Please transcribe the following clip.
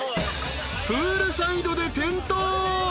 ［プールサイドで転倒！］